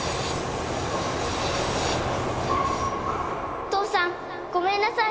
お父さんごめんなさい。